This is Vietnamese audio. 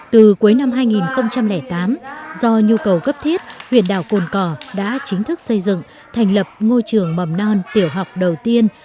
từ cuối năm hai nghìn tám do nhu cầu cấp thiết huyện đảo cồn cỏ đã chính thức xây dựng thành lập ngôi trường mầm non tiểu học đầu tiên